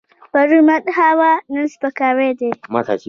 پرون مدح وه، نن سپکاوی دی.